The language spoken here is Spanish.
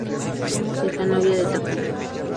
Es la novia de Takumi.